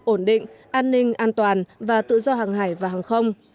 ổn định an ninh an toàn và tự do hàng hải và hàng không